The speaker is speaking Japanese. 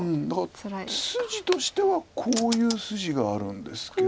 筋としてはこういう筋があるんですけど。